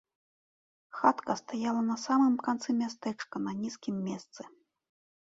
Хатка стаяла на самым канцы мястэчка на нізкім месцы.